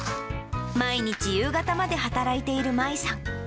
毎日夕方まで働いている真衣さん。